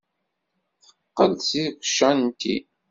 Teqqel-d seg ucanṭi.